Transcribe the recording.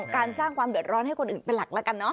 การสร้างความเดือดร้อนให้คนอื่นเป็นหลักแล้วกันเนอ